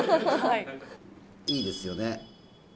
いいですよね。